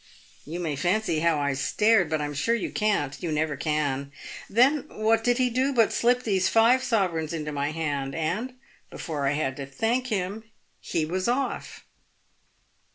You may fancy how I stared — but I'm sure you can't — you never can. Then what did he do, but slip these five sovereigns into my hand, and, before I had time to thank him, he was off."